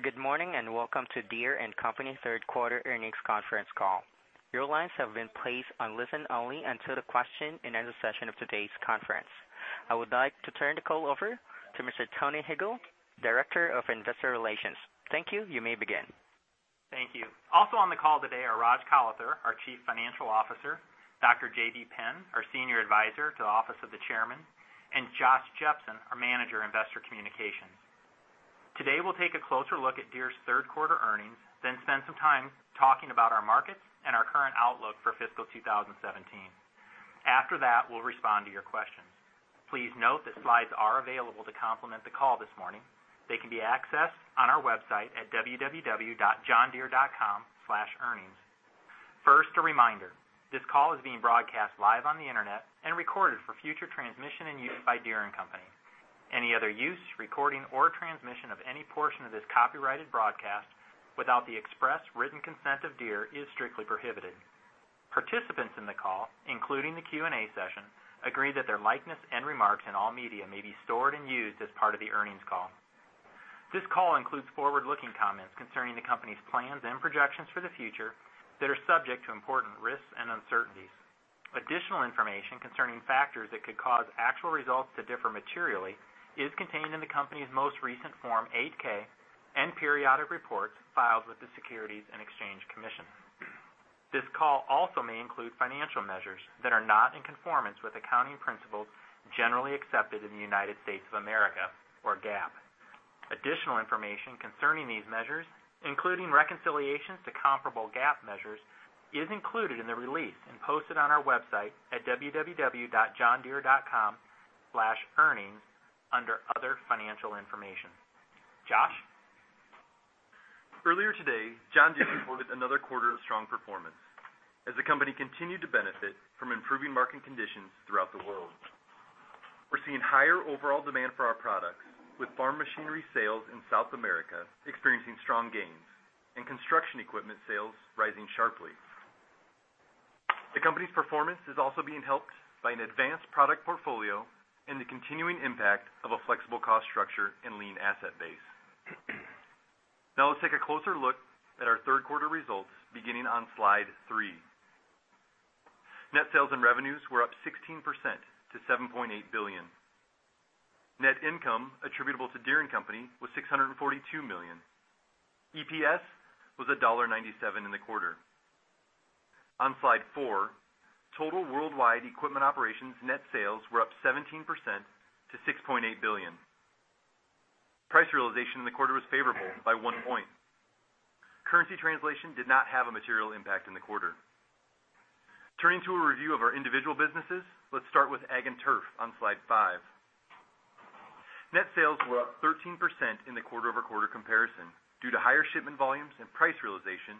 Good morning, welcome to Deere & Company third quarter earnings conference call. Your lines have been placed on listen-only until the question and answer session of today's conference. I would like to turn the call over to Mr. Tony Huegel, Director of Investor Relations. Thank you. You may begin. Thank you. Also on the call today are Raj Kalathur, our Chief Financial Officer, Dr. J.B. Penn, our Senior Advisor to the Office of the Chairman, and Josh Jepsen, our Manager, Investor Communications. Today, we'll take a closer look at Deere's third quarter earnings, spend some time talking about our markets and our current outlook for fiscal 2017. After that, we'll respond to your questions. Please note the slides are available to complement the call this morning. They can be accessed on our website at www.johndeere.com/earnings. First, a reminder, this call is being broadcast live on the internet and recorded for future transmission and use by Deere & Company. Any other use, recording, or transmission of any portion of this copyrighted broadcast without the express written consent of Deere is strictly prohibited. Participants in the call, including the Q&A session, agree that their likeness and remarks in all media may be stored and used as part of the earnings call. This call includes forward-looking comments concerning the company's plans and projections for the future that are subject to important risks and uncertainties. Additional information concerning factors that could cause actual results to differ materially is contained in the company's most recent Form 8-K and periodic reports filed with the Securities and Exchange Commission. This call also may include financial measures that are not in conformance with accounting principles generally accepted in the United States of America, or GAAP. Additional information concerning these measures, including reconciliations to comparable GAAP measures, is included in the release and posted on our website at www.johndeere.com/earnings under Other Financial Information. Josh? Earlier today, John Deere reported another quarter of strong performance as the company continued to benefit from improving market conditions throughout the world. We're seeing higher overall demand for our products, with farm machinery sales in South America experiencing strong gains and construction equipment sales rising sharply. The company's performance is also being helped by an advanced product portfolio and the continuing impact of a flexible cost structure and lean asset base. Now let's take a closer look at our third quarter results beginning on slide three. Net sales and revenues were up 16% to $7.8 billion. Net income attributable to Deere & Company was $642 million. EPS was $1.97 in the quarter. On slide four, total worldwide equipment operations net sales were up 17% to $6.8 billion. Price realization in the quarter was favorable by one point. Currency translation did not have a material impact in the quarter. Turning to a review of our individual businesses, let's start with Ag and Turf on slide five. Net sales were up 13% in the quarter-over-quarter comparison due to higher shipment volumes and price realization,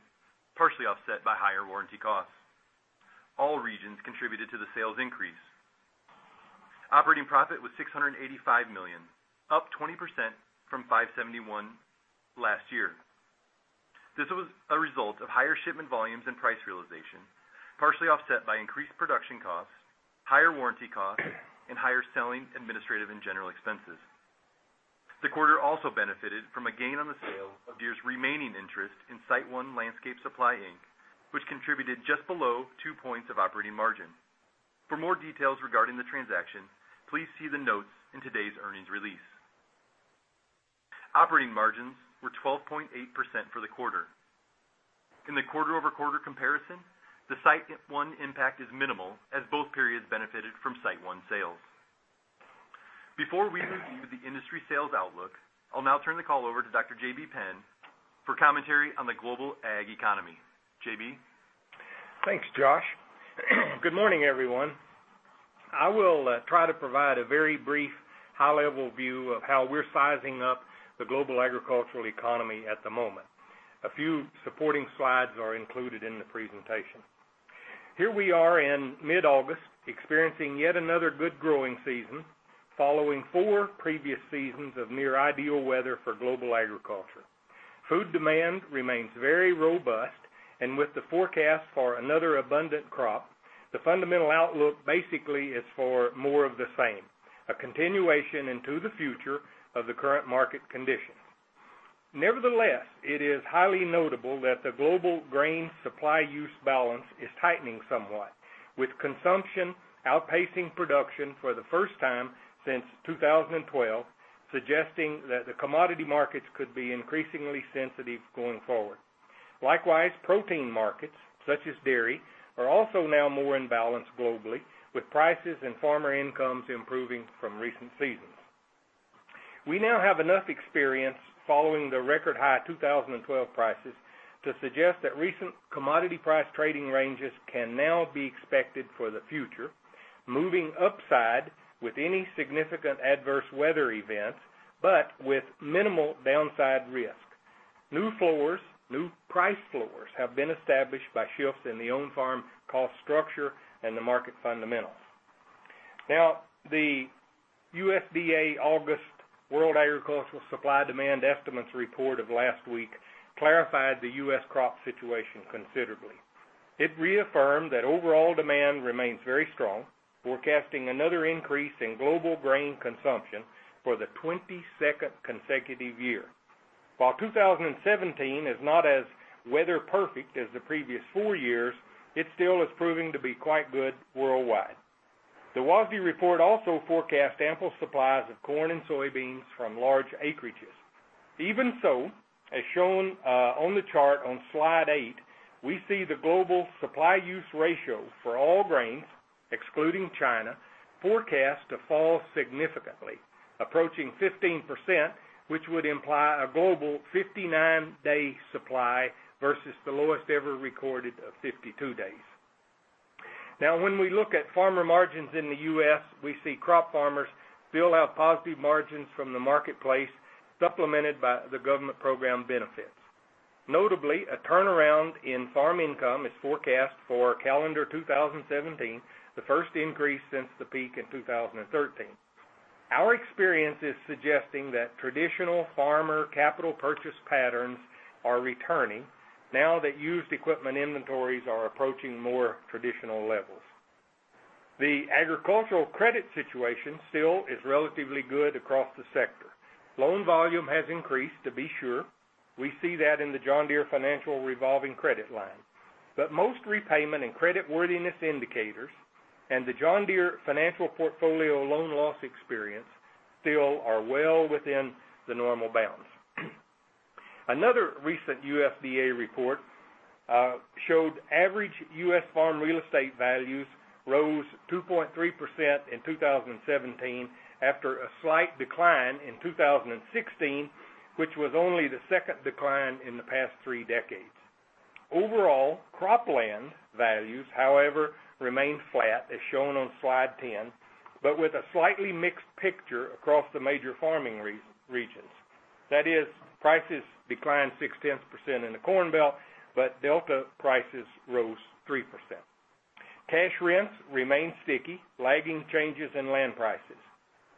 partially offset by higher warranty costs. All regions contributed to the sales increase. Operating profit was $685 million, up 20% from $571 last year. This was a result of higher shipment volumes and price realization, partially offset by increased production costs, higher warranty costs, and higher selling, administrative and general expenses. The quarter also benefited from a gain on the sale of Deere's remaining interest in SiteOne Landscape Supply, Inc., which contributed just below two points of operating margin. For more details regarding the transaction, please see the notes in today's earnings release. Operating margins were 12.8% for the quarter. In the quarter-over-quarter comparison, the SiteOne impact is minimal as both periods benefited from SiteOne sales. Before we review the industry sales outlook, I'll now turn the call over to Dr. J.B. Penn for commentary on the global ag economy. J.B.? Thanks, Josh. Good morning, everyone. I will try to provide a very brief, high-level view of how we're sizing up the global agricultural economy at the moment. A few supporting slides are included in the presentation. Here we are in mid-August, experiencing yet another good growing season following four previous seasons of near-ideal weather for global agriculture. Food demand remains very robust, and with the forecast for another abundant crop. The fundamental outlook basically is for more of the same, a continuation into the future of the current market conditions. Nevertheless, it is highly notable that the global grain supply use balance is tightening somewhat, with consumption outpacing production for the first time since 2012, suggesting that the commodity markets could be increasingly sensitive going forward. Likewise, protein markets such as dairy are also now more in balance globally, with prices and farmer incomes improving from recent seasons. We now have enough experience following the record-high 2012 prices to suggest that recent commodity price trading ranges can now be expected for the future, moving upside with any significant adverse weather events, but with minimal downside risk. New price floors have been established by shifts in the own farm cost structure and the market fundamentals. The USDA August World Agricultural Supply Demand Estimates Report of last week clarified the U.S. crop situation considerably. It reaffirmed that overall demand remains very strong, forecasting another increase in global grain consumption for the 22nd consecutive year. While 2017 is not as weather perfect as the previous four years, it still is proving to be quite good worldwide. The WASDE report also forecast ample supplies of corn and soybeans from large acreages. Even so, as shown on the chart on slide 8, we see the global supply use ratio for all grains, excluding China, forecast to fall significantly, approaching 15%, which would imply a global 59-day supply versus the lowest ever recorded of 52 days. When we look at farmer margins in the U.S., we see crop farmers build out positive margins from the marketplace, supplemented by the government program benefits. Notably, a turnaround in farm income is forecast for calendar 2017, the first increase since the peak in 2013. Our experience is suggesting that traditional farmer capital purchase patterns are returning now that used equipment inventories are approaching more traditional levels. The agricultural credit situation still is relatively good across the sector. Loan volume has increased, to be sure. We see that in the John Deere Financial revolving credit line. Most repayment and creditworthiness indicators and the John Deere Financial portfolio loan loss experience still are well within the normal bounds. Another recent USDA report, showed average U.S. farm real estate values rose 2.3% in 2017 after a slight decline in 2016, which was only the second decline in the past three decades. Overall, cropland values, however, remain flat, as shown on slide 10, but with a slightly mixed picture across the major farming regions. That is, prices declined 6.10% in the Corn Belt, but Delta prices rose 3%. Cash rents remain sticky, lagging changes in land prices.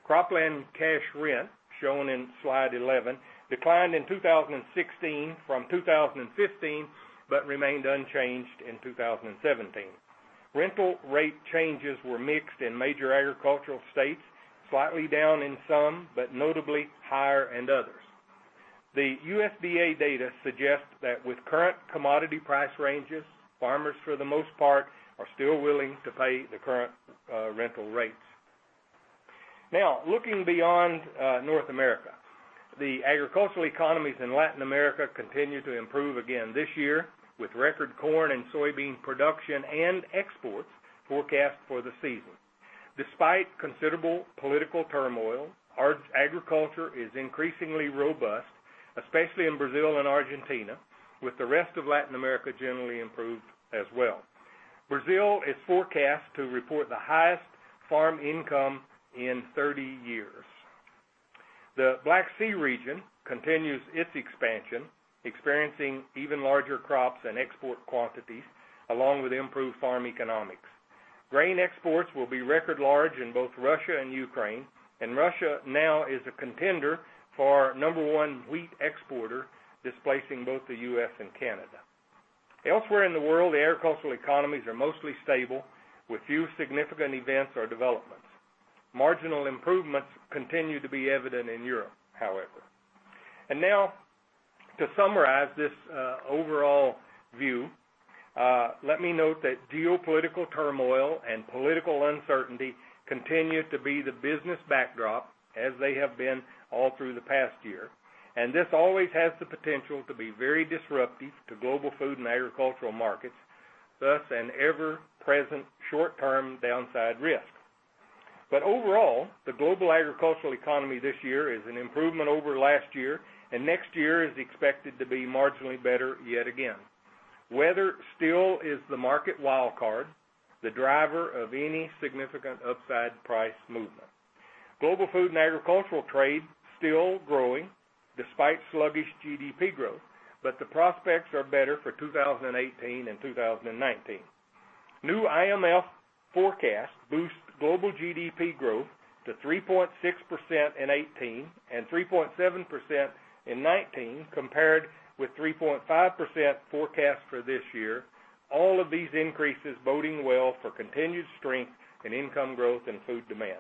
Cropland cash rent, shown in slide 11, declined in 2016 from 2015, but remained unchanged in 2017. Rental rate changes were mixed in major agricultural states, slightly down in some, but notably higher in others. The USDA data suggests that with current commodity price ranges, farmers for the most part, are still willing to pay the current rental rates. Looking beyond North America. The agricultural economies in Latin America continue to improve again this year with record corn and soybean production and exports forecast for the season. Despite considerable political turmoil, agriculture is increasingly robust, especially in Brazil and Argentina, with the rest of Latin America generally improved as well. Brazil is forecast to report the highest farm income in 30 years. The Black Sea region continues its expansion, experiencing even larger crops and export quantities, along with improved farm economics. Grain exports will be record large in both Russia and Ukraine, and Russia now is a contender for number 1 wheat exporter, displacing both the U.S. and Canada. Elsewhere in the world, the agricultural economies are mostly stable, with few significant events or developments. Marginal improvements continue to be evident in Europe, however. Now, to summarize this overall view, let me note that geopolitical turmoil and political uncertainty continue to be the business backdrop as they have been all through the past year. This always has the potential to be very disruptive to global food and agricultural markets, thus an ever-present short-term downside risk. Overall, the global agricultural economy this year is an improvement over last year, and next year is expected to be marginally better yet again. Weather still is the market wild card, the driver of any significant upside price movement. Global food and agricultural trade still growing despite sluggish GDP growth, but the prospects are better for 2018 and 2019. New IMF forecasts boost global GDP growth to 3.6% in 2018 and 3.7% in 2019, compared with 3.5% forecast for this year. All of these increases boding well for continued strength in income growth and food demand.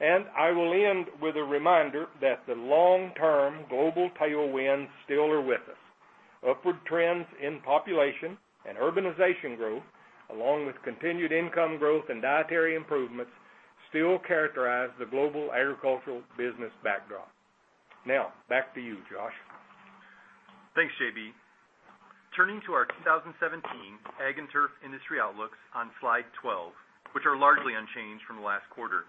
I will end with a reminder that the long-term global tailwinds still are with us. Upward trends in population and urbanization growth, along with continued income growth and dietary improvements, still characterize the global agricultural business backdrop. Now, back to you, Josh. Thanks, J.B. Turning to our 2017 Ag and Turf industry outlooks on slide 12, which are largely unchanged from last quarter.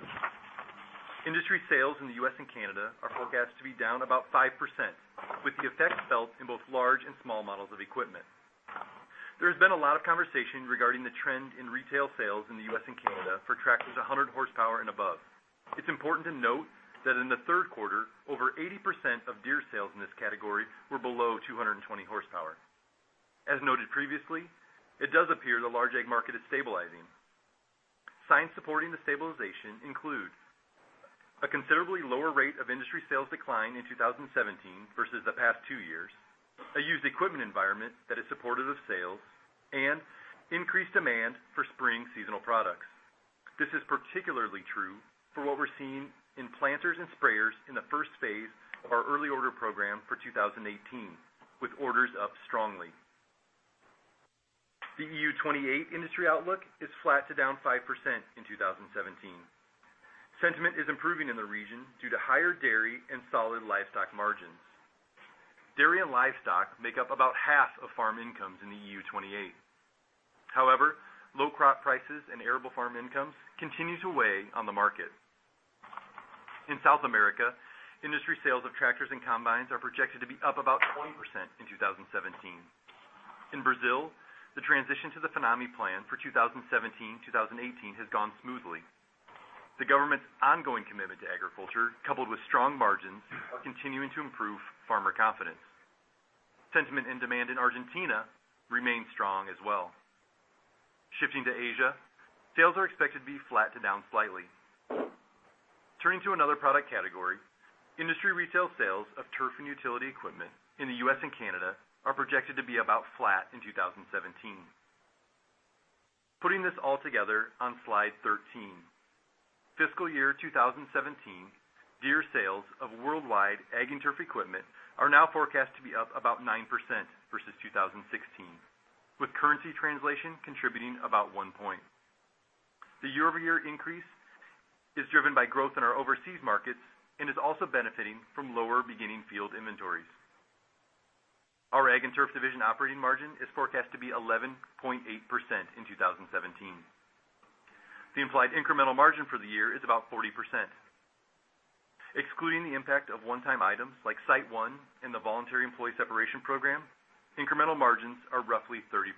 Industry sales in the U.S. and Canada are forecast to be down about 5%, with the effect felt in both large and small models of equipment. There has been a lot of conversation regarding the trend in retail sales in the U.S. and Canada for tractors 100 horsepower and above. It's important to note that in the third quarter, over 80% of Deere sales in this category were below 220 horsepower. As noted previously, it does appear the large ag market is stabilizing. Signs supporting the stabilization include a considerably lower rate of industry sales decline in 2017 versus the past two years, a used equipment environment that is supportive of sales, and increased demand for spring seasonal products. This is particularly true for what we're seeing in planters and sprayers in the first phase of our early order program for 2018, with orders up strongly. The EU 28 industry outlook is flat to down 5% in 2017. Sentiment is improving in the region due to higher dairy and solid livestock margins. Dairy and livestock make up about half of farm incomes in the EU 28. Low crop prices and arable farm incomes continue to weigh on the market. In South America, industry sales of tractors and combines are projected to be up about 20% in 2017. In Brazil, the transition to the FINAME plan for 2017, 2018 has gone smoothly. The government's ongoing commitment to agriculture, coupled with strong margins, are continuing to improve farmer confidence. Sentiment and demand in Argentina remain strong as well. Shifting to Asia, sales are expected to be flat to down slightly. Turning to another product category, industry retail sales of turf and utility equipment in the U.S. and Canada are projected to be about flat in 2017. Putting this all together on slide 13. Fiscal year 2017, Deere sales of worldwide Ag and Turf equipment are now forecast to be up about 9% versus 2016, with currency translation contributing about one point. The year-over-year increase is driven by growth in our overseas markets and is also benefiting from lower beginning field inventories. Our Ag and Turf division operating margin is forecast to be 11.8% in 2017. The implied incremental margin for the year is about 40%. Excluding the impact of one-time items like SiteOne and the voluntary employee separation program, incremental margins are roughly 30%.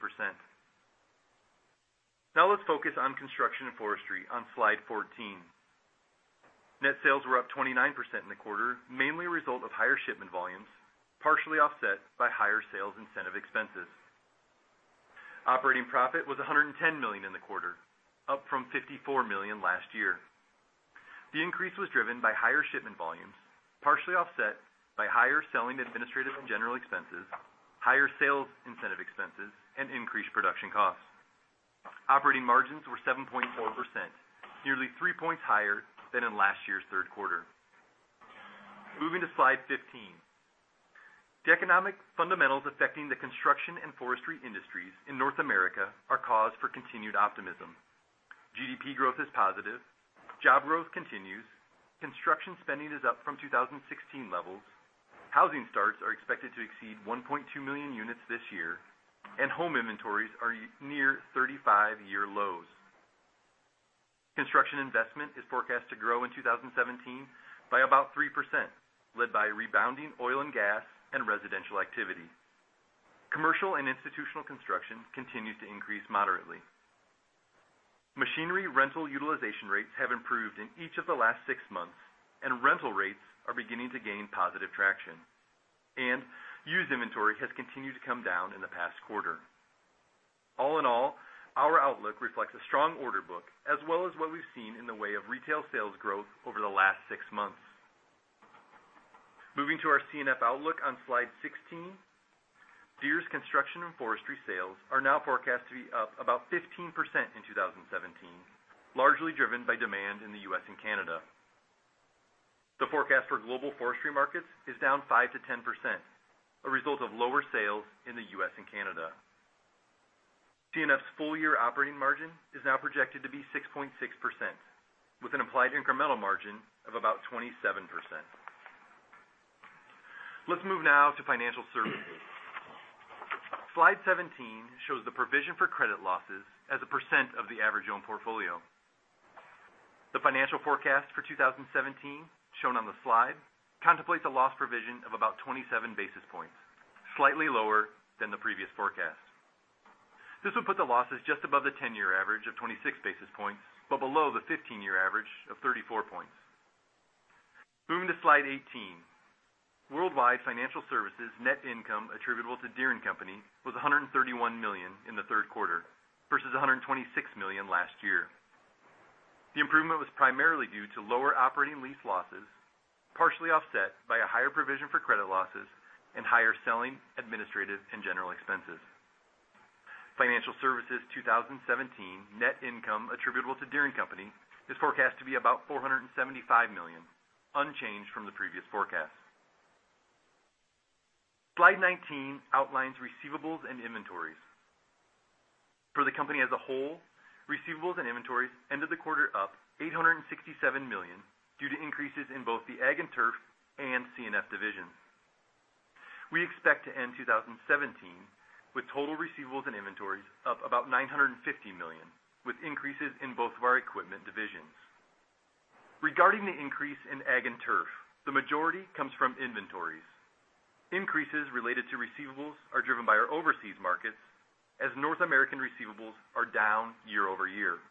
Now let's focus on Construction and Forestry on Slide 14. Net sales were up 29% in the quarter, mainly a result of higher shipment volumes, partially offset by higher sales incentive expenses. Operating profit was $110 million in the quarter, up from $54 million last year. The increase was driven by higher shipment volumes, partially offset by higher selling, administrative, and general expenses, higher sales incentive expenses, and increased production costs. Operating margins were 7.4%, nearly three points higher than in last year's third quarter. Moving to slide 15. The economic fundamentals affecting the construction and forestry industries in North America are cause for continued optimism. GDP growth is positive. Job growth continues. Construction spending is up from 2016 levels. Housing starts are expected to exceed 1.2 million units this year, and home inventories are near 35-year lows. Construction investment is forecast to grow in 2017 by about 3%, led by rebounding oil and gas and residential activity. Commercial and institutional construction continues to increase moderately. Machinery rental utilization rates have improved in each of the last six months, and rental rates are beginning to gain positive traction, and used inventory has continued to come down in the past quarter. All in all, our outlook reflects a strong order book as well as what we've seen in the way of retail sales growth over the last six months. Moving to our C&F outlook on Slide 16. Deere's Construction & Forestry sales are now forecast to be up about 15% in 2017, largely driven by demand in the U.S. and Canada. The forecast for global forestry markets is down 5%-10%, a result of lower sales in the U.S. and Canada. C&F's full year operating margin is now projected to be 6.6%, with an implied incremental margin of about 27%. Let's move now to financial services. Slide 17 shows the provision for credit losses as a percent of the average loan portfolio. The financial forecast for 2017, shown on the slide, contemplates a loss provision of about 27 basis points, slightly lower than the previous forecast. This would put the losses just above the 10-year average of 26 basis points, but below the 15-year average of 34 points. Moving to Slide 18. Worldwide Financial Services net income attributable to Deere & Company was $131 million in the third quarter versus $126 million last year. The improvement was primarily due to lower operating lease losses, partially offset by a higher provision for credit losses and higher selling, administrative, and general expenses. Financial Services 2017 net income attributable to Deere & Company is forecast to be about $475 million, unchanged from the previous forecast. Slide 19 outlines receivables and inventories. For the company as a whole, receivables and inventories ended the quarter up $867 million due to increases in both the Ag and Turf and C&F divisions. We expect to end 2017 with total receivables and inventories up about $950 million, with increases in both of our equipment divisions. Regarding the increase in Ag and Turf, the majority comes from inventories. Increases related to receivables are driven by our overseas markets, as North American receivables are down year-over-year.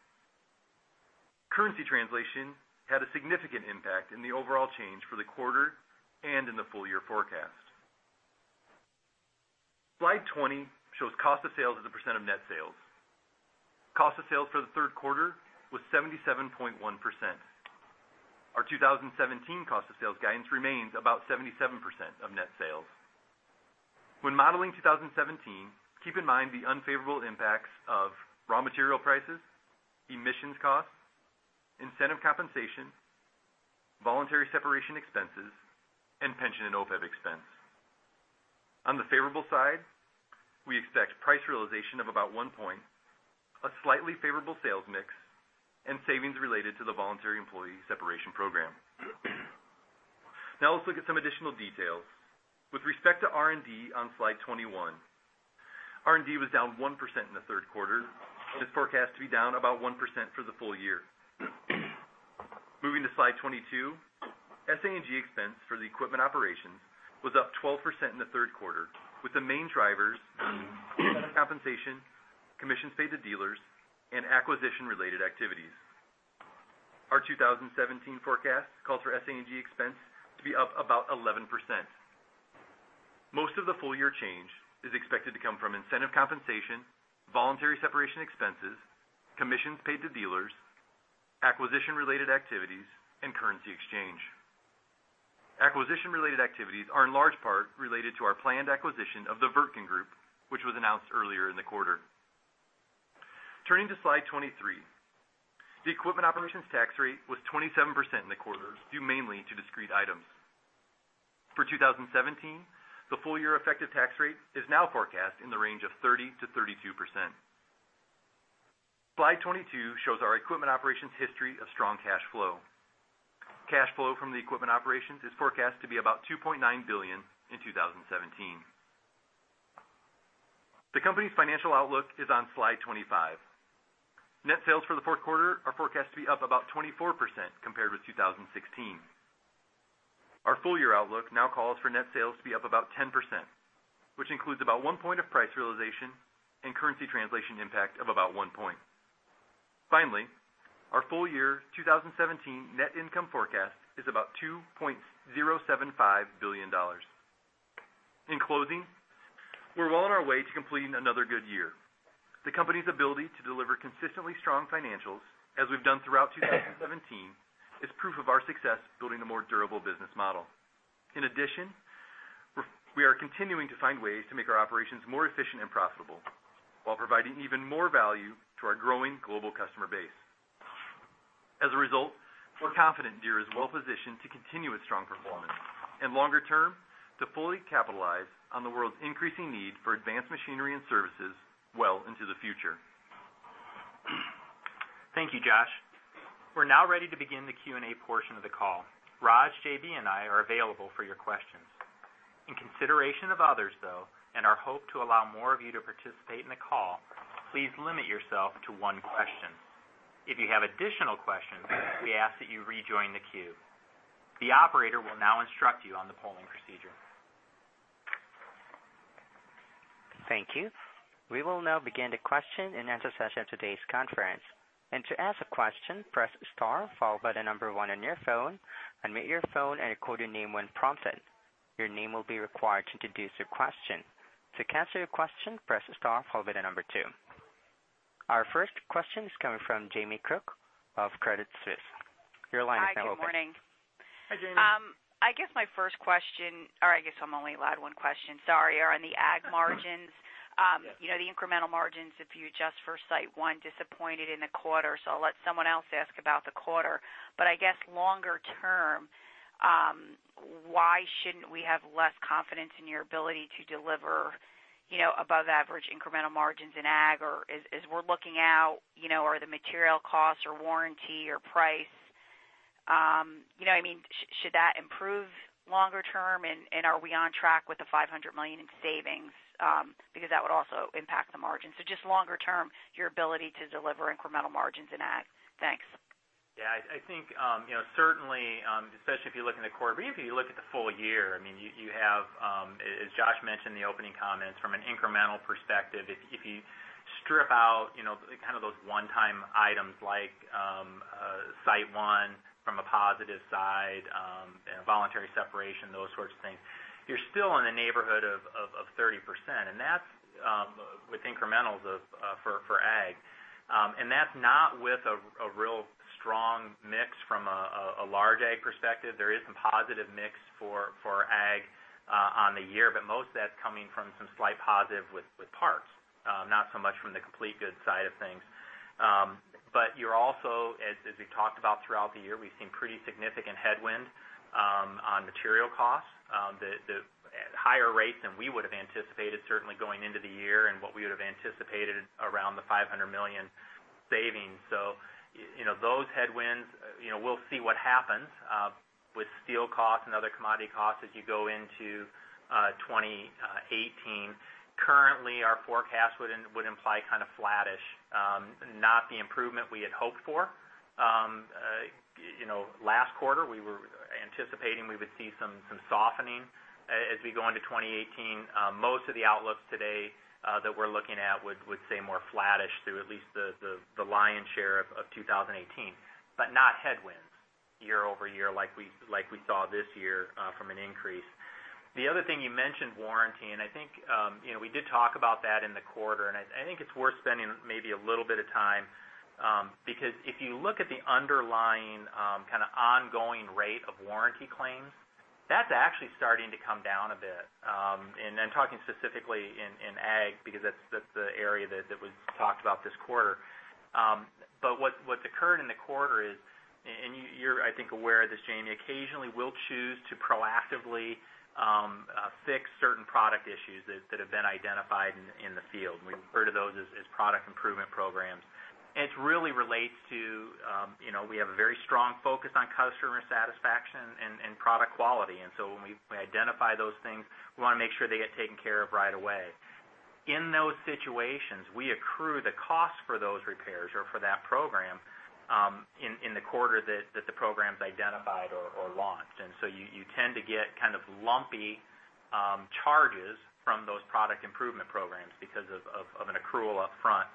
Currency translation had a significant impact in the overall change for the quarter and in the full year forecast. Slide 20 shows cost of sales as a percent of net sales. Cost of sales for the third quarter was 77.1%. Our 2017 cost of sales guidance remains about 77% of net sales. When modeling 2017, keep in mind the unfavorable impacts of raw material prices, emissions costs, incentive compensation, voluntary separation expenses, and pension and OPEB expense. On the favorable side, we expect price realization of about one point, a slightly favorable sales mix, and savings related to the voluntary employee separation program. Now let's look at some additional details. With respect to R&D on Slide 21, R&D was down 1% in the third quarter and is forecast to be down about 1% for the full year. Moving to Slide 22, SA&G expense for the equipment operations was up 12% in the third quarter, with the main drivers incentive compensation, commissions paid to dealers, and acquisition-related activities. Our 2017 forecast calls for SA&G expense to be up about 11%. Most of the full-year change is expected to come from incentive compensation, voluntary separation expenses, commissions paid to dealers, acquisition-related activities, and currency exchange. Acquisition-related activities are in large part related to our planned acquisition of the Wirtgen Group, which was announced earlier in the quarter. Turning to Slide 23. The equipment operations tax rate was 27% in the quarter, due mainly to discrete items. For 2017, the full year effective tax rate is now forecast in the range of 30%-32%. Slide 22 shows our equipment operations history of strong cash flow. Cash flow from the equipment operations is forecast to be about $2.9 billion in 2017. The company's financial outlook is on Slide 25. Net sales for the fourth quarter are forecast to be up about 24% compared with 2016. Our full-year outlook now calls for net sales to be up about 10%, which includes about one point of price realization and currency translation impact of about one point. Finally, our full year 2017 net income forecast is about $2.075 billion. In closing, we're well on our way to completing another good year. The company's ability to deliver consistently strong financials, as we've done throughout 2017, is proof of our success building a more durable business model. In addition, we are continuing to find ways to make our operations more efficient and profitable while providing even more value to our growing global customer base. As a result, we're confident Deere is well-positioned to continue its strong performance and, longer term, to fully capitalize on the world's increasing need for advanced machinery and services well into the future. Thank you, Josh. We're now ready to begin the Q&A portion of the call. Raj, J.B., and I are available for your questions. In consideration of others, though, and our hope to allow more of you to participate in the call, please limit yourself to one question. If you have additional questions, we ask that you rejoin the queue. The operator will now instruct you on the polling procedure. Thank you. We will now begin the question-and-answer session of today's conference. To ask a question, press star followed by the number 1 on your phone, unmute your phone and record your name when prompted. Your name will be required to introduce your question. To cancel your question, press star followed by the number 2. Our first question is coming from Jamie Cook of Credit Suisse. Your line is now open. Hi, good morning. Hi, Jamie. I guess my first question, or I guess I'm only allowed one question, sorry, are on the Ag margins. Yes. The incremental margins, if you adjust for SiteOne, disappointed in the quarter. I'll let someone else ask about the quarter. I guess longer term, why shouldn't we have less confidence in your ability to deliver above-average incremental margins in Ag? As we're looking out, are the material costs or warranty or price, should that improve longer term? Are we on track with the $500 million in savings? Because that would also impact the margins. Just longer term, your ability to deliver incremental margins in Ag. Thanks. I think certainly, especially if you look in the quarter, but even if you look at the full year, you have, as Josh mentioned in the opening comments, from an incremental perspective, if you strip out kind of those one-time items like SiteOne from a positive side and voluntary separation, those sorts of things, you're still in the neighborhood of 30%, and that's with incrementals for Ag. That's not with a real strong mix from a large Ag perspective. There is some positive mix for Ag on the year, but most of that's coming from some slight positive with parts. Not so much from the complete goods side of things. You're also, as we've talked about throughout the year, we've seen pretty significant headwinds on material costs at higher rates than we would've anticipated, certainly going into the year and what we would've anticipated around the $500 million savings. Those headwinds, we'll see what happens with steel costs and other commodity costs as you go into 2018. Currently, our forecast would imply kind of flattish. Not the improvement we had hoped for. Last quarter, we were anticipating we would see some softening as we go into 2018. Most of the outlooks today that we're looking at would stay more flattish through at least the lion's share of 2018, but not headwinds year-over-year like we saw this year from an increase. The other thing you mentioned, warranty, I think we did talk about that in the quarter, I think it's worth spending maybe a little bit of time. If you look at the underlying kind of ongoing rate of warranty claims, that's actually starting to come down a bit. I'm talking specifically in ag because that's the area that was talked about this quarter. What's occurred in the quarter is, you're, I think, aware of this, Jamie, occasionally we'll choose to proactively fix certain product issues that have been identified in the field. We refer to those as product improvement programs. It really relates to how we have a very strong focus on customer satisfaction and product quality. When we identify those things, we want to make sure they get taken care of right away. In those situations, we accrue the cost for those repairs or for that program in the quarter that the program's identified or launched. You tend to get kind of lumpy charges from those product improvement programs because of an accrual up front.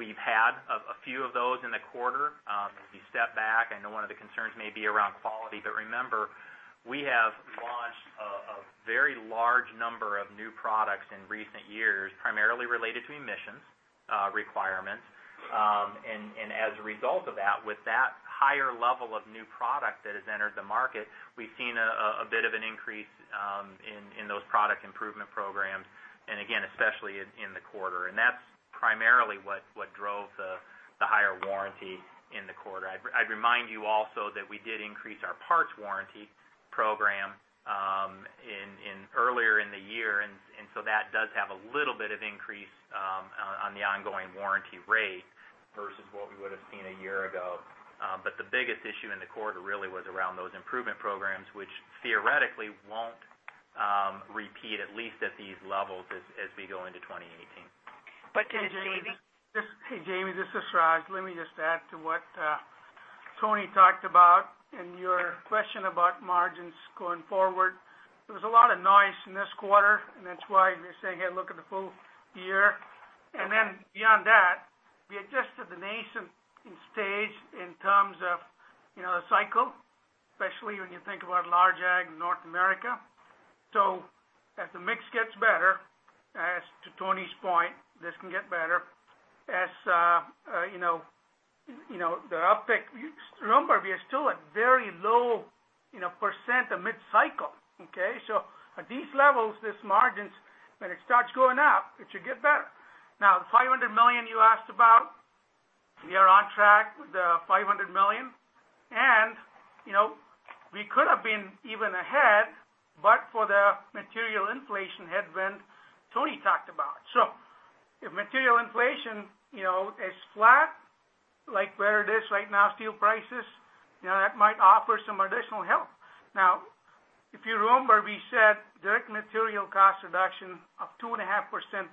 We've had a few of those in the quarter. If you step back, I know one of the concerns may be around quality, but remember, we have launched a very large number of new products in recent years, primarily related to emissions requirements. As a result of that, with that higher level of new product that has entered the market, we've seen a bit of an increase in those product improvement programs. Again, especially in the quarter. That's primarily what drove the higher warranty in the quarter. I'd remind you also that we did increase our parts warranty program earlier in the year. That does have a little bit of increase on the ongoing warranty rate versus what we would've seen a year ago. The biggest issue in the quarter really was around those improvement programs, which theoretically won't repeat, at least at these levels as we go into 2018. But to the- Hey, Jamie, this is Raj. Let me just add to what Tony talked about and your question about margins going forward. There was a lot of noise in this quarter and that's why we're saying, "Hey, look at the full year." Then beyond that, we adjusted the notion in stage in terms of the cycle, especially when you think about large ag North America. As the mix gets better, as to Tony's point, this can get better. Remember, we are still at very low percent of mid-cycle, okay? At these levels, these margins, when it starts going up, it should get better. The $500 million you asked about, we are on track with the $500 million. We could have been even ahead, but for the material inflation headwind Tony talked about. If material inflation is flat, like where it is right now, steel prices, that might offer some additional help. If you remember, we said direct material cost reduction of 2.5%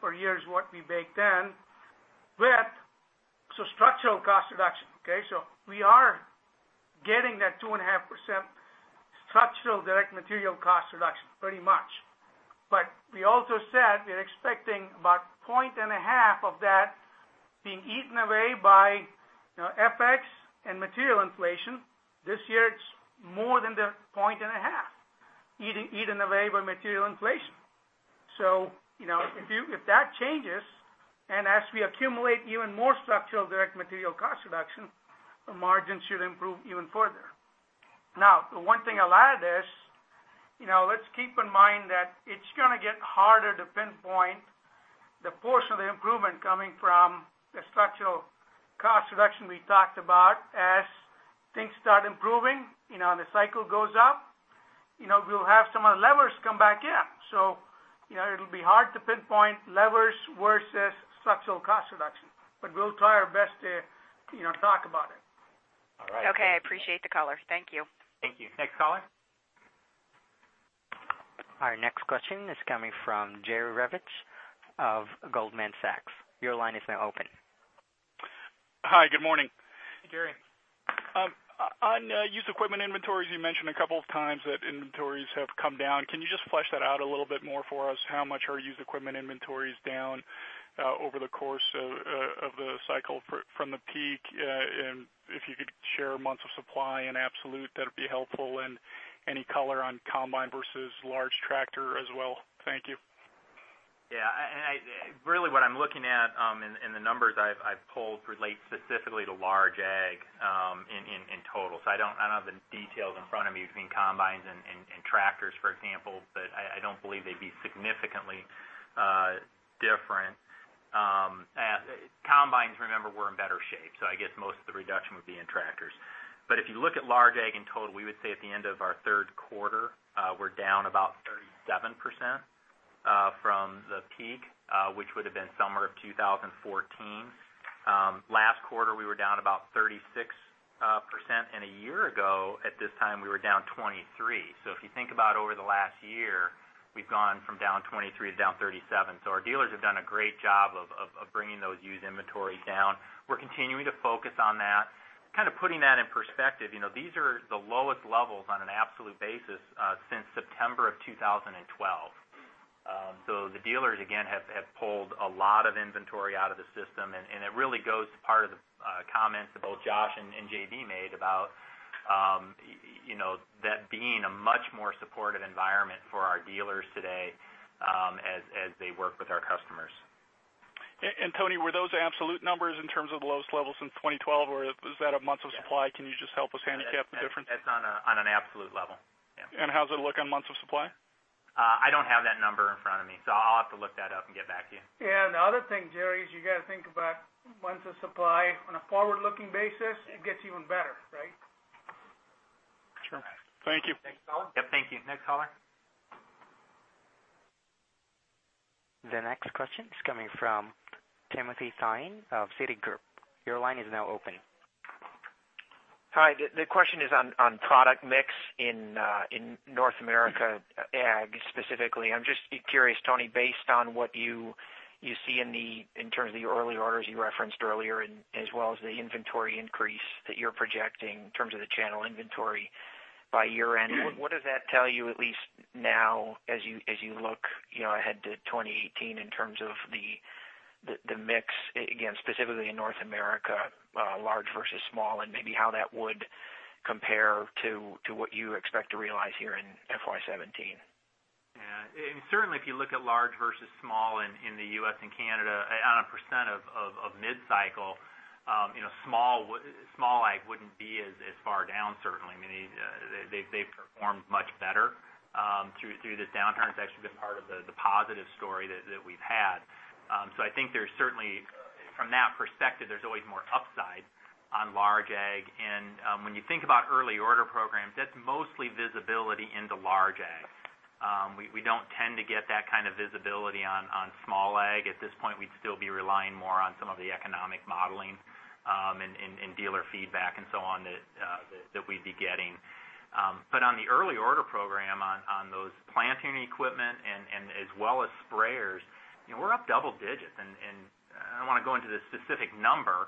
per year is what we baked in with structural cost reduction. Okay, we are getting that 2.5% structural direct material cost reduction pretty much. We also said we're expecting about point and a half of that being eaten away by FX and material inflation. This year, it's more than the point and a half eaten away by material inflation. If that changes, and as we accumulate even more structural direct material cost reduction, the margin should improve even further. The one thing I'll add is, let's keep in mind that it's going to get harder to pinpoint the portion of the improvement coming from the structural cost reduction we talked about as things start improving and the cycle goes up. We'll have some of the levers come back in. It'll be hard to pinpoint levers versus structural cost reduction, but we'll try our best to talk about it. All right. Okay. I appreciate the color. Thank you. Thank you. Next caller? Our next question is coming from Jerry Revich of Goldman Sachs. Your line is now open. Hi, good morning. Hey, Jerry. On used equipment inventories, you mentioned a couple of times that inventories have come down. Can you just flesh that out a little bit more for us? How much are used equipment inventories down over the course of the cycle from the peak? And if you could share months of supply in absolute, that'd be helpful. And any color on combine versus large tractor as well. Thank you. Really what I'm looking at in the numbers I've pulled relate specifically to large ag in total. I don't have the details in front of me between combines and tractors, for example, but I don't believe they'd be significantly different. Combines, remember, were in better shape, so I guess most of the reduction would be in tractors. If you look at large ag in total, we would say at the end of our third quarter, we're down about 37% from the peak, which would've been summer of 2014. Last quarter, we were down about 36%, and a year ago at this time, we were down 23. If you think about over the last year, we've gone from down 23 to down 37. A great job of bringing those used inventories down. We're continuing to focus on that. Kind of putting that in perspective, these are the lowest levels on an absolute basis since September of 2012. The dealers, again, have pulled a lot of inventory out of the system, and it really goes to part of the comments that both Josh and J.B. made about that being a much more supportive environment for our dealers today as they work with our customers. Tony, were those absolute numbers in terms of the lowest levels since 2012, or is that a months of supply? Can you just help us handicap the difference? That's on an absolute level, yeah. How's it look on months of supply? I don't have that number in front of me, I'll have to look that up and get back to you. Yeah, the other thing, Jerry, is you got to think about months of supply on a forward-looking basis, it gets even better, right? Sure. Thank you. Thanks, all. Yep, thank you. Next caller. The next question is coming from Timothy Thein of Citigroup. Your line is now open. Hi. The question is on product mix in North America Ag, specifically. I'm just curious, Tony, based on what you see in terms of the early orders you referenced earlier as well as the inventory increase that you're projecting in terms of the channel inventory by year-end, what does that tell you at least now as you look ahead to 2018 in terms of the mix, again, specifically in North America, large versus small, and maybe how that would compare to what you expect to realize here in FY 2017? Yeah. Certainly, if you look at large versus small in the U.S. and Canada on a percent of mid-cycle, small Ag wouldn't be as far down certainly. They've performed much better through this downturn. It's actually been part of the positive story that we've had. I think from that perspective, there's always more upside on large Ag. When you think about early order programs, that's mostly visibility into large Ag. We don't tend to get that kind of visibility on small Ag. At this point, we'd still be relying more on some of the economic modeling and dealer feedback and so on that we'd be getting. On the early order program on those planting equipment as well as sprayers, we're up double digits, and I don't want to go into the specific number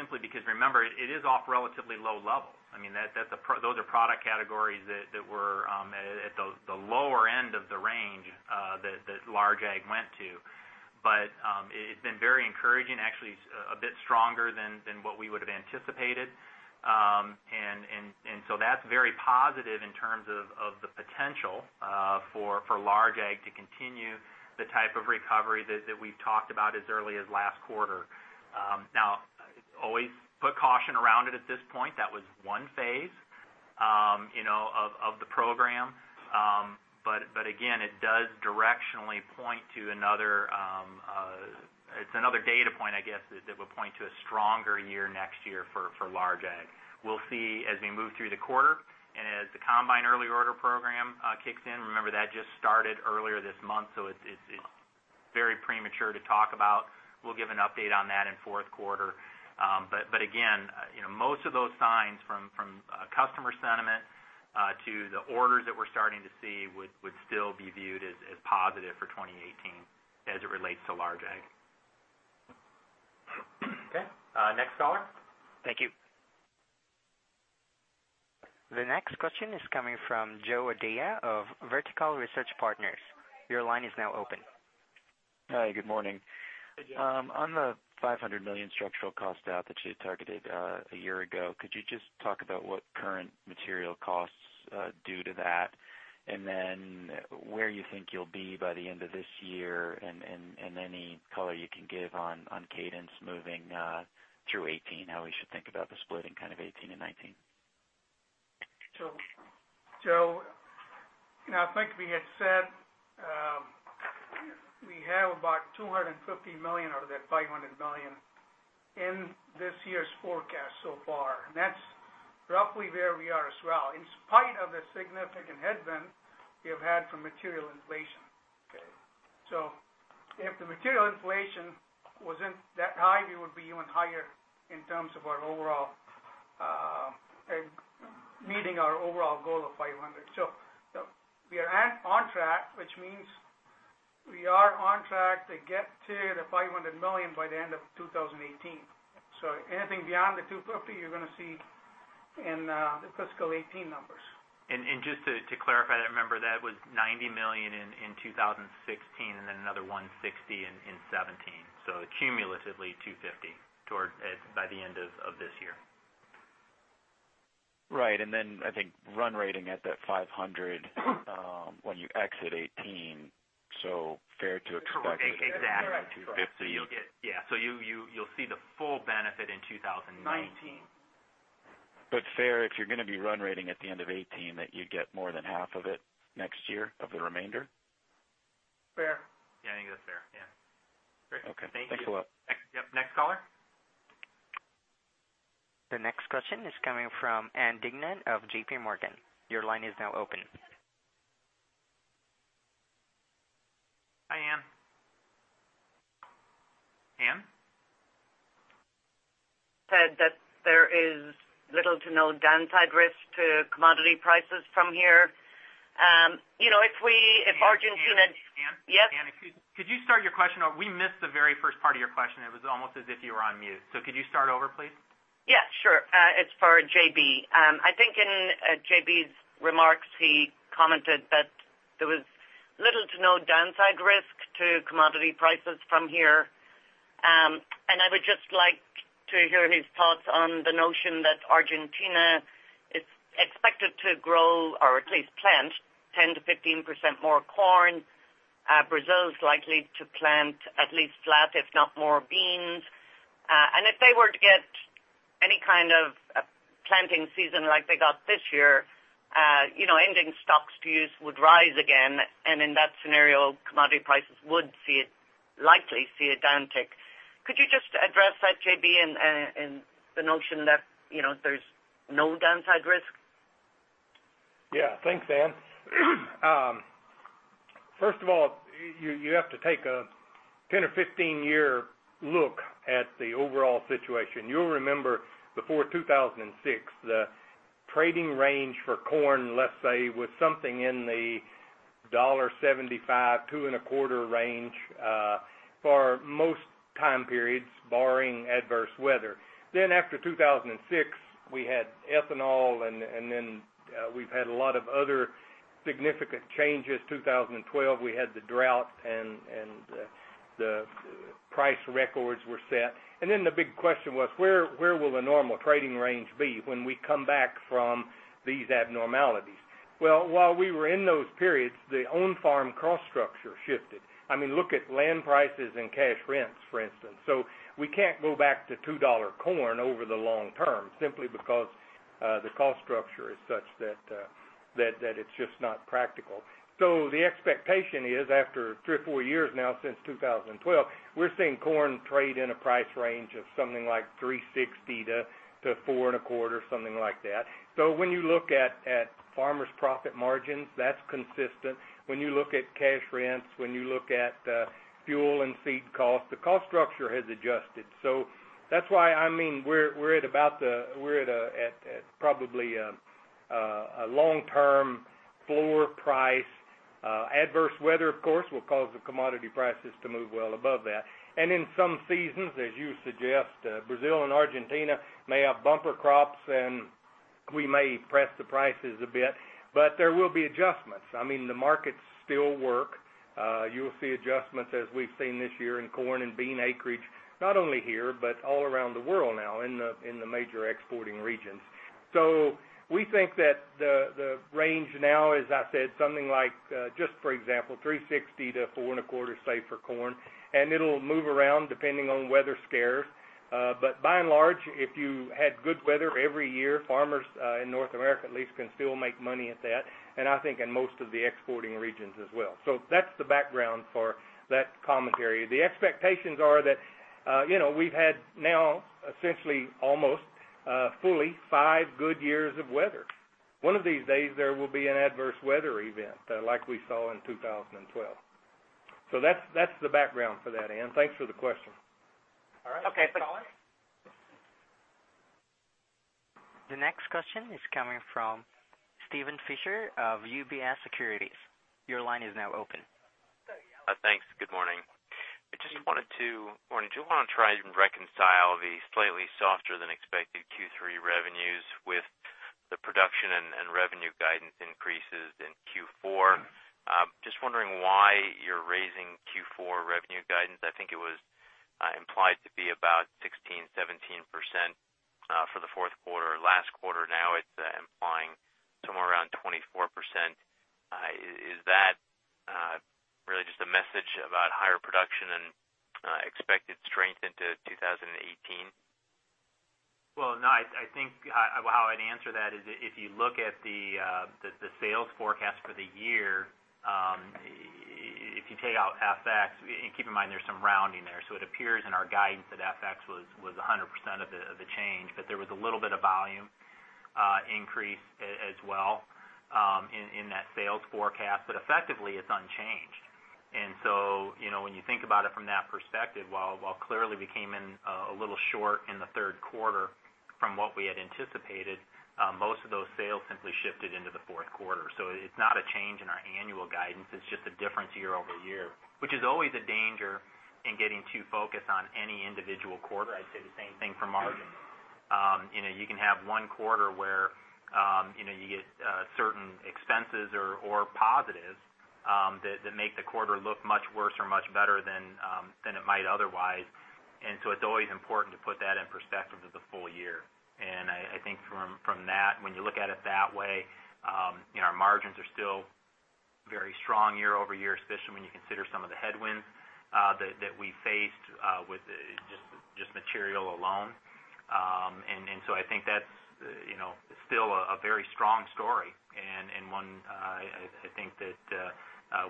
simply because, remember, it is off relatively low levels. Those are product categories that were at the lower end of the range that large Ag went to. It's been very encouraging, actually a bit stronger than what we would've anticipated. That's very positive in terms of the potential for large Ag to continue the type of recovery that we've talked about as early as last quarter. Now, always put caution around it at this point. That was one phase of the program. Again, it's another data point, I guess, that would point to a stronger year next year for large Ag. We'll see as we move through the quarter and as the combine early order program kicks in. Remember, that just started earlier this month, so it's very premature to talk about. We'll give an update on that in fourth quarter. Again, most of those signs from customer sentiment to the orders that we're starting to see would still be viewed as positive for 2018 as it relates to large Ag. Okay. Next caller. Thank you. The next question is coming from Joe O'Dea of Vertical Research Partners. Your line is now open. Hi, good morning. Hey, Joe. On the $500 million structural cost out that you targeted a year ago, could you just talk about what current material costs due to that? Then where you think you'll be by the end of this year and any color you can give on cadence moving through 2018, how we should think about the split in kind of 2018 and 2019. Joe, I think we had said we have about $250 million out of that $500 million in this year's forecast so far. That's roughly where we are as well, in spite of the significant headwind we have had from material inflation. Okay. If the material inflation wasn't that high, we would be even higher in terms of meeting our overall goal of $500. We are on track, which means we are on track to get to the $500 million by the end of 2018. Anything beyond the $250 you're gonna see in the fiscal 2018 numbers. Just to clarify that, remember, that was $90 million in 2016 and then another $160 in 2017. Cumulatively, $250 by the end of this year. Right. I think run rating at that $500 when you exit 2018, fair to expect- Correct. 250. You'll get. Yeah. You'll see the full benefit in 2019. 2019. Fair if you're gonna be run rating at the end of 2018, that you'd get more than half of it next year of the remainder? Fair. Yeah, I think that's fair. Yeah. Great. Okay. Thanks a lot. Thank you. Yep, next caller. The next question is coming from Ann Duignan of JPMorgan. Your line is now open. Hi, Ann. Ann? Said that there is little to no downside risk to commodity prices from here. If Argentina- Ann? Yes. Ann, could you start your question over? We missed the very first part of your question. It was almost as if you were on mute. Could you start over, please? Yeah, sure. It's for J.B. I think in J.B.'s remarks, he commented that there was little to no downside risk to commodity prices from here. I would just like to hear his thoughts on the notion that Argentina is expected to grow or at least plant 10%-15% more corn. Brazil is likely to plant at least flat, if not more beans. If they were to get any kind of a planting season like they got this year, ending stocks to use would rise again. In that scenario, commodity prices would likely see a downtick. Could you just address that, J.B., and the notion that there's no downside risk? Thanks, Ann. First of all, you have to take a 10 or 15-year look at the overall situation. You'll remember before 2006, the trading range for corn, let's say, was something in the $1.75-$2.25 range, for most time periods barring adverse weather. After 2006, we had ethanol, and we've had a lot of other significant changes. 2012, we had the drought, and the price records were set. The big question was, where will the normal trading range be when we come back from these abnormalities? While we were in those periods, the own farm cost structure shifted. Look at land prices and cash rents, for instance. We can't go back to $2 corn over the long term simply because the cost structure is such that it's just not practical. The expectation is after three or four years now since 2012, we're seeing corn trade in a price range of something like $3.60-$4.25, something like that. When you look at farmers' profit margins, that's consistent. When you look at cash rents, when you look at fuel and feed cost, the cost structure has adjusted. That's why we're at probably a long-term floor price. Adverse weather, of course, will cause the commodity prices to move well above that. In some seasons, as you suggest, Brazil and Argentina may have bumper crops, and we may press the prices a bit, but there will be adjustments. The markets still work. You'll see adjustments as we've seen this year in corn and bean acreage, not only here, but all around the world now in the major exporting regions. We think that the range now, as I said, something like, just for example, $3.60-$4.25, say, for corn. It'll move around depending on weather scares. By and large, if you had good weather every year, farmers in North America at least can still make money at that, and I think in most of the exporting regions as well. That's the background for that commentary. The expectations are that we've had now essentially almost fully five good years of weather. One of these days, there will be an adverse weather event like we saw in 2012. That's the background for that, Ann. Thanks for the question. All right. Next caller. Okay, thank you. The next question is coming from Steven Fisher of UBS Securities. Your line is now open. Thanks. Good morning. I just wanted to try and reconcile the slightly softer than expected Q3 revenues with the production and revenue guidance increases in Q4. Just wondering why you're raising Q4 revenue guidance. I think it was implied to be about 16%, 17%, for the fourth quarter. Last quarter, now it's implying somewhere around 24%. Is that really just a message about higher production and expected strength into 2018? Well, no, I think how I'd answer that is if you look at the sales forecast for the year, if you take out FX, and keep in mind, there's some rounding there. It appears in our guidance that FX was 100% of the change, there was a little bit of volume increase as well in that sales forecast. Effectively, it's unchanged. When you think about it from that perspective, while clearly we came in a little short in the third quarter from what we had anticipated, most of those sales simply shifted into the fourth quarter. It's not a change in our annual guidance, it's just a difference year-over-year. Which is always a danger in getting too focused on any individual quarter. I'd say the same thing for margins. You can have one quarter where you get certain expenses or positives that make the quarter look much worse or much better than it might otherwise. It's always important to put that in perspective to the full year. I think from that, when you look at it that way, our margins are still very strong year-over-year, especially when you consider some of the headwinds that we faced with just material alone. I think that's still a very strong story and one I think that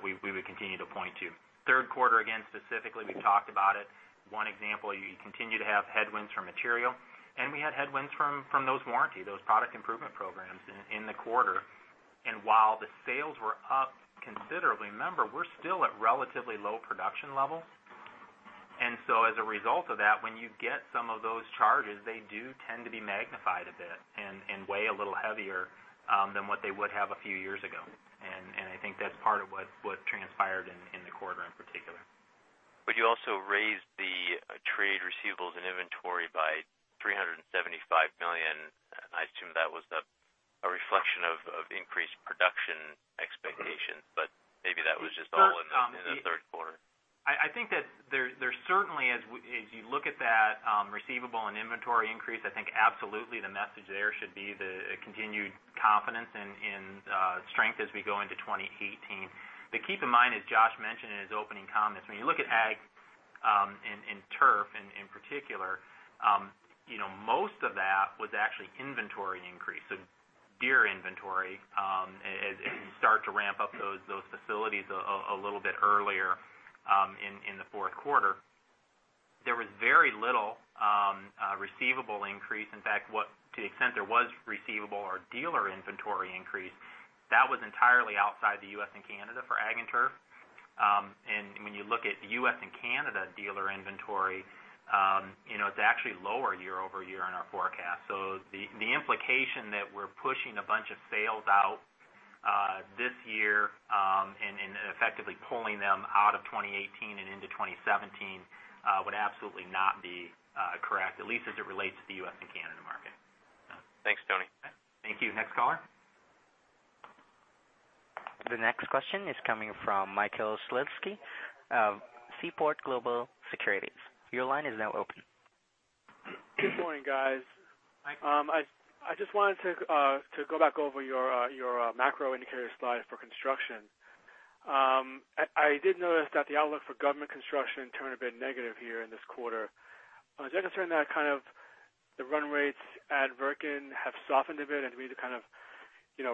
we would continue to point to. Third quarter, again, specifically, we talked about it. One example, you continue to have headwinds from material, and we had headwinds from those warranty, those product improvement programs in the quarter. While the sales were up considerably, remember, we're still at relatively low production levels. As a result of that, when you get some of those charges, they do tend to be magnified a bit and weigh a little heavier than what they would have a few years ago. I think that's part of what transpired in the quarter in particular. You also raised the trade receivables and inventory by $375 million. I assume that was a reflection of increased production expectations, maybe that was just all in the third quarter. I think that there's certainly, as you look at that receivable and inventory increase, I think absolutely the message there should be the continued confidence and strength as we go into 2018. Keep in mind, as Josh mentioned in his opening comments, when you look at Ag and Turf in particular, most of that was actually inventory increase. Dealer inventory, as you start to ramp up those facilities a little bit earlier in the fourth quarter. There was very little receivable increase. In fact, to the extent there was receivable or dealer inventory increase, that was entirely outside the U.S. and Canada for Ag and Turf. When you look at the U.S. and Canada dealer inventory, it's actually lower year-over-year in our forecast. The implication that we're pushing a bunch of sales out this year, and effectively pulling them out of 2018 and into 2017, would absolutely not be correct, at least as it relates to the U.S. and Canada market. Thanks, Tony. Thank you. Next caller. The next question is coming from Michael Shlisky of Seaport Global Securities. Your line is now open. Good morning, guys. Hi. I just wanted to go back over your macro indicator slide for construction. I did notice that the outlook for government construction turned a bit negative here in this quarter. Is that concerning that kind of the run rates at Wirtgen have softened a bit and we had to kind of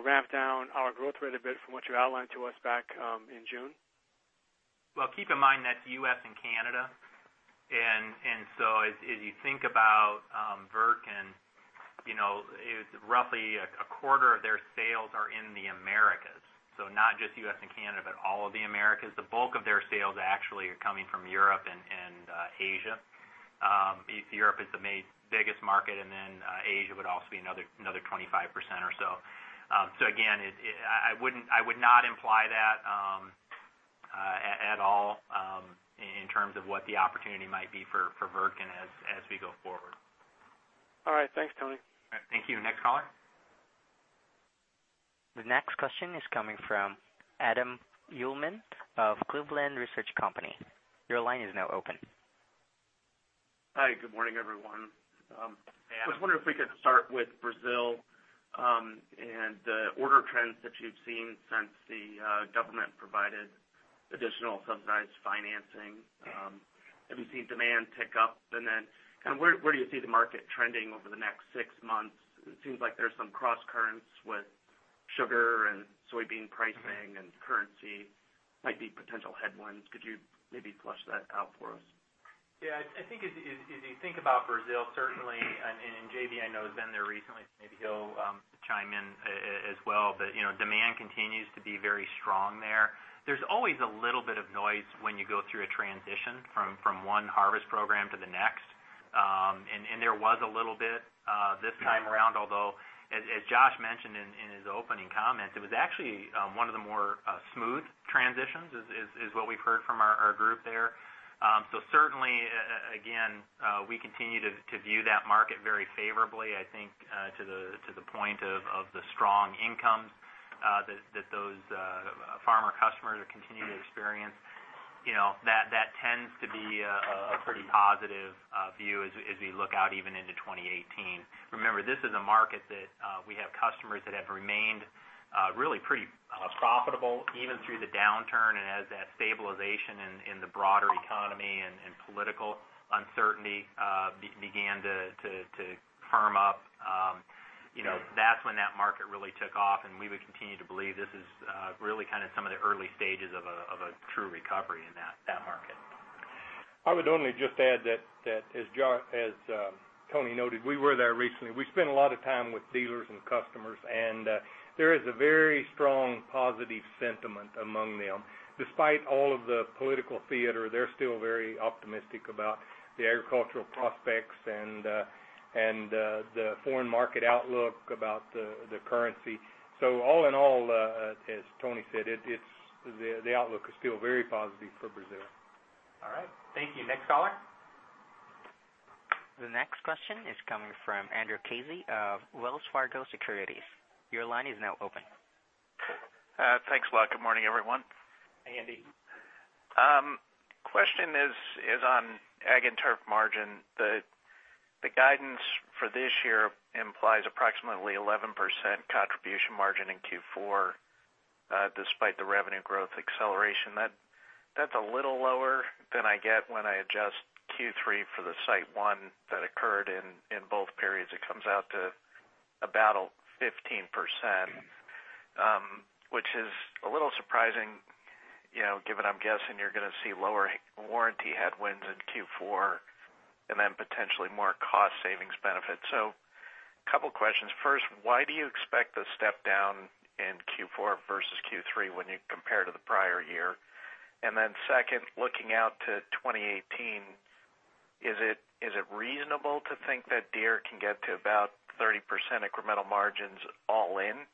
ramp down our growth rate a bit from what you outlined to us back in June? Well, keep in mind, that's U.S. and Canada. As you think about Wirtgen, roughly a quarter of their sales are in the Americas. Not just U.S. and Canada, but all of the Americas. The bulk of their sales actually are coming from Europe and Asia. East Europe is the biggest market, and then Asia would also be another 25% or so. Again, I would not imply that at all in terms of what the opportunity might be for Wirtgen as we go forward. All right. Thanks, Tony. Thank you. Next caller. The next question is coming from Adam Uhlman of Cleveland Research Company. Your line is now open. Hi. Good morning, everyone. Hey. I was wondering if we could start with Brazil and the order trends that you've seen since the government provided additional subsidized financing. Okay. Have you seen demand tick up? Where do you see the market trending over the next six months? It seems like there's some crosscurrents with sugar and soybean pricing and currency might be potential headwinds. Could you maybe flush that out for us? I think as you think about Brazil, certainly, and J.B. I know has been there recently, maybe he'll chime in as well. Demand continues to be very strong there. There's always a little bit of noise when you go through a transition from one harvest program to the next. There was a little bit this time around, although, as Josh mentioned in his opening comments, it was actually one of the more smooth transitions, is what we've heard from our group there. Certainly, again, we continue to view that market very favorably, I think, to the point of the strong incomes that those farmer customers continue to experience. That tends to be a pretty positive view as we look out even into 2018. Remember, this is a market that we have customers that have remained really pretty profitable, even through the downturn and as that stabilization in the broader economy and political uncertainty began to firm up. That's when that market really took off, we would continue to believe this is really kind of some of the early stages of a true recovery in that market. I would only just add that, as Tony noted, we were there recently. We spent a lot of time with dealers and customers, there is a very strong positive sentiment among them. Despite all of the political theater, they're still very optimistic about the agricultural prospects and the foreign market outlook about the currency. All in all, as Tony said, the outlook is still very positive for Brazil. All right. Thank you. Next caller. The next question is coming from Andrew Casey of Wells Fargo Securities. Your line is now open. Thanks a lot. Good morning, everyone. Hey, Andy. Question is on Ag and Turf margin. The guidance for this year implies approximately 11% contribution margin in Q4, despite the revenue growth acceleration. That's a little lower than I get when I adjust Q3 for the SiteOne that occurred in both periods. It comes out to about 15%, which is a little surprising given I'm guessing you're going to see lower warranty headwinds in Q4 and then potentially more cost savings benefits. A couple questions. First, why do you expect the step down in Q4 versus Q3 when you compare to the prior year? Second, looking out to 2018, is it reasonable to think that Deere can get to about 30% incremental margins all in?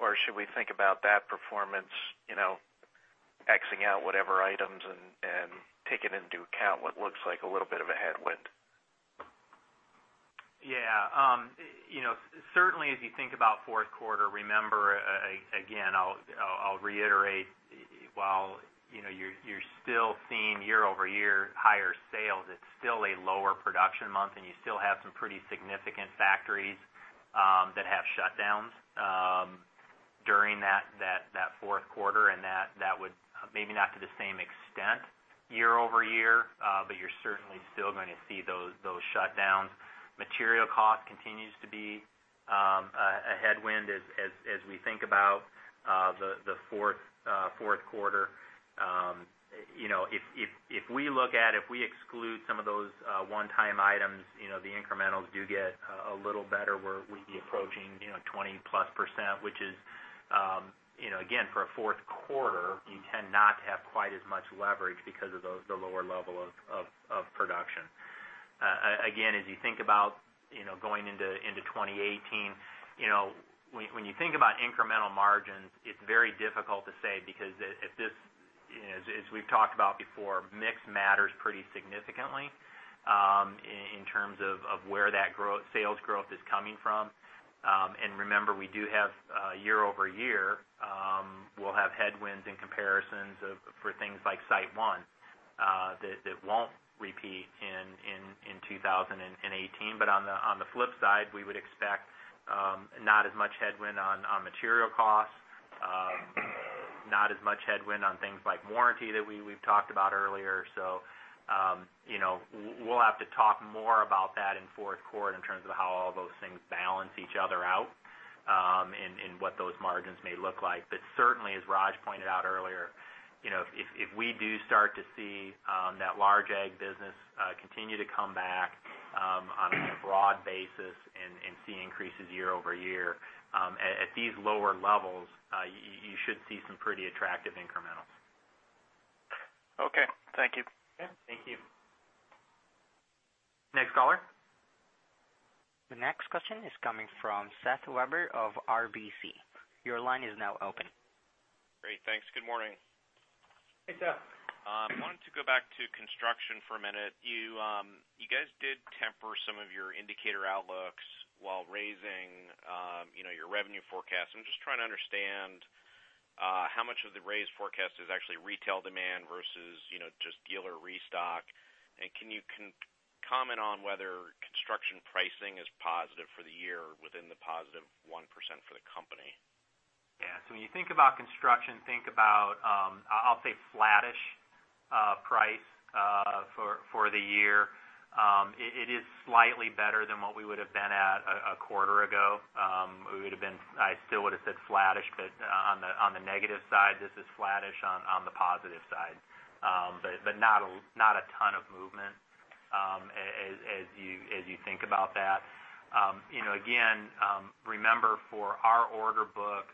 Or should we think about that performance, exing out whatever items and taking into account what looks like a little bit of a headwind? Yeah. Certainly, as you think about fourth quarter, remember, again, I'll reiterate, while you're still seeing year-over-year higher sales, it's still a lower production month, and you still have some pretty significant factories that have shutdowns during that fourth quarter. That would, maybe not to the same extent year-over-year, but you're certainly still going to see those shutdowns. Material cost continues to be a headwind as we think about the fourth quarter. If we exclude some of those one-time items, the incrementals do get a little better where we'd be approaching 20-plus%, which is again, for a fourth quarter, you tend not to have quite as much leverage because of the lower level of production. Again, as you think about going into 2018, when you think about incremental margins, it's very difficult to say because as we've talked about before, mix matters pretty significantly in terms of where that sales growth is coming from. Remember, we do have year-over-year, we'll have headwinds and comparisons for things like SiteOne that won't repeat in 2018. On the flip side, we would expect not as much headwind on material costs, not as much headwind on things like warranty that we've talked about earlier. We'll have to talk more about that in fourth quarter in terms of how all those things balance each other out and what those margins may look like. Certainly, as Raj pointed out earlier, if we do start to see that large ag business continue to come back on a broad basis and see increases year-over-year at these lower levels, you should see some pretty attractive incrementals. Okay. Thank you. Yeah. Thank you. Next caller? The next question is coming from Seth Weber of RBC. Your line is now open. Great. Thanks. Good morning. Hey, Seth. I wanted to go back to construction for a minute. You guys did temper some of your indicator outlooks while raising your revenue forecast. I'm just trying to understand how much of the raised forecast is actually retail demand versus just dealer restock. Can you comment on whether construction pricing is positive for the year within the positive 1% for the company? Yeah. When you think about construction, think about, I'll say flattish price for the year. It is slightly better than what we would've been at a quarter ago. I still would've said flattish, but on the negative side. This is flattish on the positive side. Not a ton of movement as you think about that. Again, remember for our order book,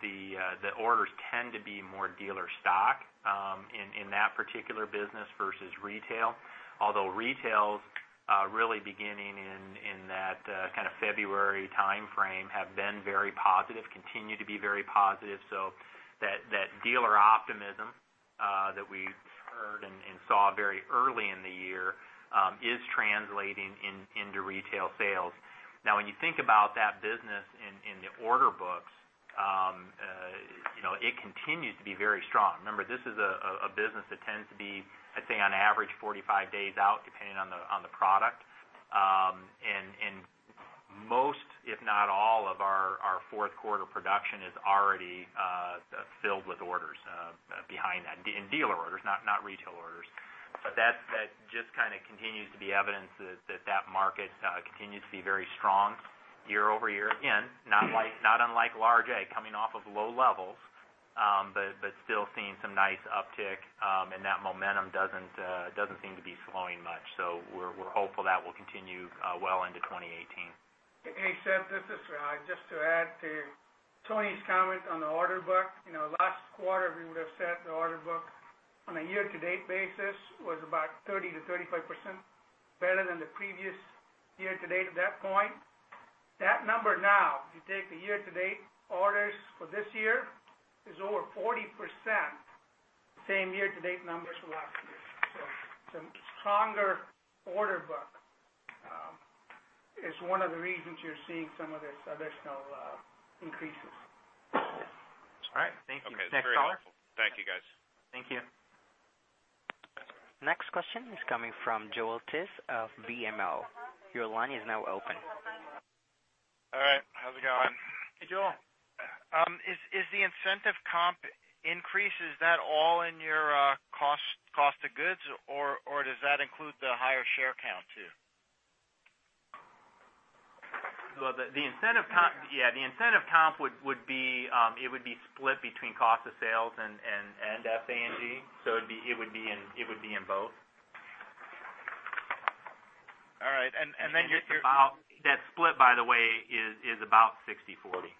the orders tend to be more dealer stock in that particular business versus retail. Although retails, really beginning in that kind of February timeframe, have been very positive, continue to be very positive. That dealer optimism that we heard and saw very early in the year is translating into retail sales. Now when you think about that business in the order books, it continues to be very strong. Remember, this is a business that tends to be, I'd say on average, 45 days out, depending on the product. Most, if not all of our fourth quarter production is already filled with orders behind that. In dealer orders, not retail orders. That just kind of continues to be evidence that market continues to be very strong year-over-year. Again, not unlike large ag, coming off of low levels, but still seeing some nice uptick. That momentum doesn't seem to be slowing much. We're hopeful that will continue well into 2018. Hey, Seth, this is Raj. Just to add to Tony's comment on the order book. Last quarter, we would've said the order book on a year-to-date basis was about 30%-35% better than the previous year-to-date at that point. That number now, if you take the year-to-date orders for this year, is over 40% same year-to-date numbers from last year. Some stronger order book is one of the reasons you're seeing some of these additional increases. All right. Thank you. Next caller? Okay. Very helpful. Thank you, guys. Thank you. Next question is coming from Joel Tiss of BMO. Your line is now open. All right. How's it going? Hey, Joel. Is the incentive comp increase, is that all in your cost of goods, or does that include the higher share count, too? Well, the incentive comp would be split between cost of sales and SG&A. It would be in both. All right. That split, by the way, is about 60/40. Cost of sales.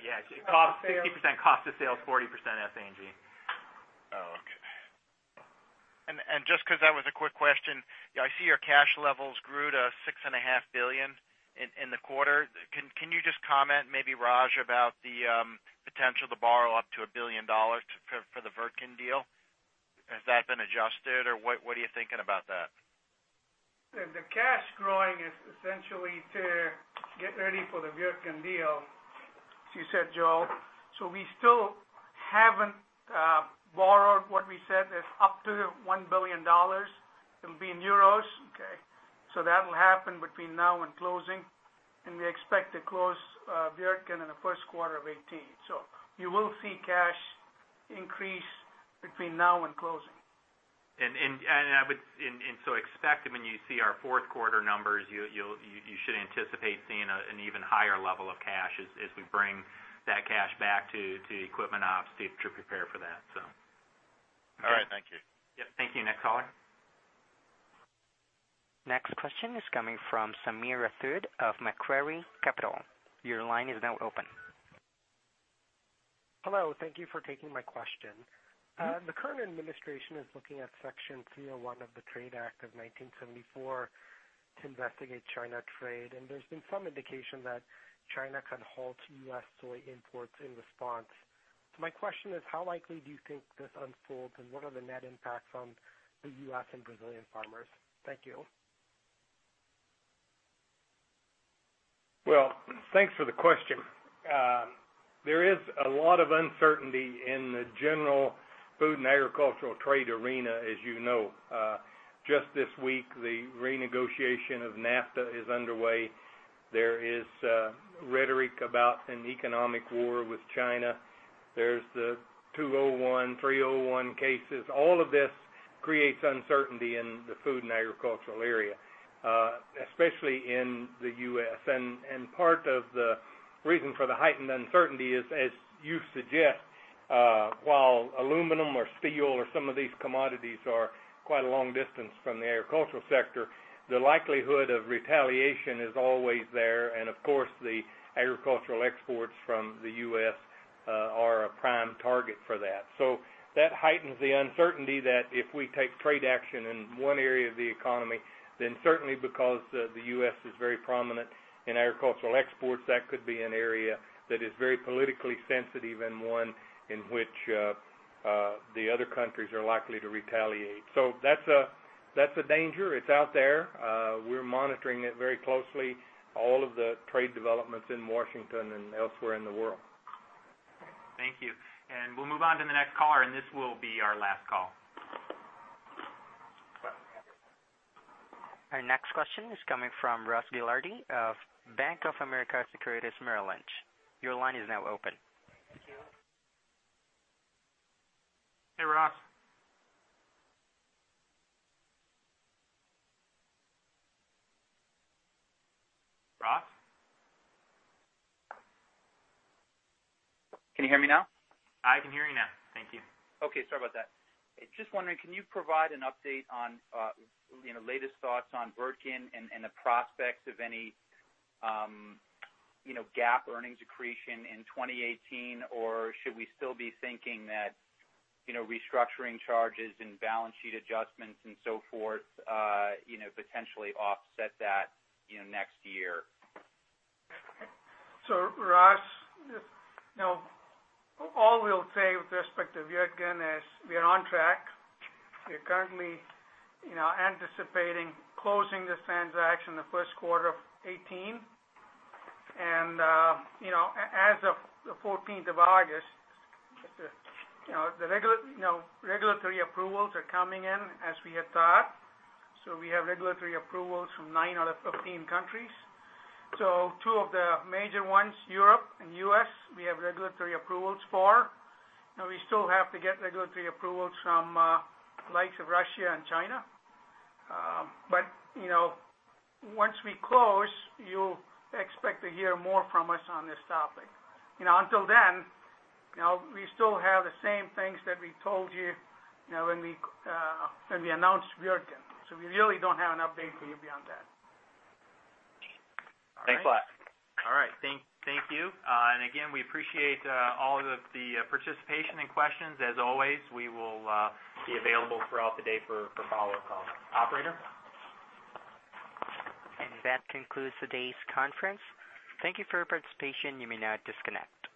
Yeah. 60% cost of sales, 40% SG&A. Oh, okay. Just because that was a quick question, I see your cash levels grew to $6.5 billion in the quarter. Can you just comment, maybe Raj, about the potential to borrow up to $1 billion for the Wirtgen deal? Has that been adjusted, or what are you thinking about that? The cash growing is essentially to get ready for the Wirtgen deal, as you said, Joe. We still haven't borrowed what we said is up to $1 billion. It'll be in euros. Okay. That'll happen between now and closing, we expect to close Wirtgen in the first quarter of 2018. You will see cash increase between now and closing. Expect that when you see our fourth quarter numbers, you should anticipate seeing an even higher level of cash as we bring that cash back to the equipment ops to prepare for that. All right. Thank you. Yep. Thank you. Next caller. Next question is coming from Sameer Rathod of Macquarie Capital. Your line is now open. Hello. Thank you for taking my question. The current administration is looking at Section 301 of the Trade Act of 1974 to investigate China trade, and there's been some indication that China can halt U.S. soy imports in response. My question is, how likely do you think this unfolds, and what are the net impacts on the U.S. and Brazilian farmers? Thank you. Well, thanks for the question. There is a lot of uncertainty in the general food and agricultural trade arena, as you know. Just this week, the renegotiation of NAFTA is underway. There is rhetoric about an economic war with China. There's the 201 and 301 cases. All of this creates uncertainty in the food and agricultural area, especially in the U.S. Part of the reason for the heightened uncertainty is, as you suggest, while aluminum or steel or some of these commodities are quite a long distance from the agricultural sector, the likelihood of retaliation is always there. Of course, the agricultural exports from the U.S. are a prime target for that. That heightens the uncertainty that if we take trade action in one area of the economy, then certainly because the U.S. is very prominent in agricultural exports, that could be an area that is very politically sensitive and one in which the other countries are likely to retaliate. That's a danger. It's out there. We're monitoring it very closely, all of the trade developments in Washington and elsewhere in the world. Thank you. We'll move on to the next caller, and this will be our last call. Our next question is coming from Ross Gilardi of Bank of America Merrill Lynch. Your line is now open. Thank you. Hey, Ross. Ross? Can you hear me now? I can hear you now. Thank you. Sorry about that. Just wondering, can you provide an update on latest thoughts on Wirtgen and the prospects of any GAAP earnings accretion in 2018? Should we still be thinking that restructuring charges and balance sheet adjustments and so forth potentially offset that next year? Ross, all we'll say with respect to Wirtgen is we are on track. We are currently anticipating closing this transaction the first quarter of 2018. As of the 14th of August, the regulatory approvals are coming in as we had thought. We have regulatory approvals from nine out of 15 countries. Two of the major ones, Europe and U.S., we have regulatory approvals for. We still have to get regulatory approvals from likes of Russia and China. Once we close, you'll expect to hear more from us on this topic. Until then, we still have the same things that we told you when we announced Wirtgen. We really don't have an update for you beyond that. Thanks a lot. All right. Thank you. Again, we appreciate all of the participation and questions. As always, we will be available throughout the day for follow-up calls. Operator? That concludes today's conference. Thank you for your participation. You may now disconnect.